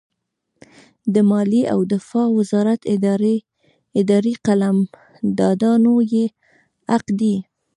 د مالیې او دفاع وزارت اداري قلمدانونه یې حق دي.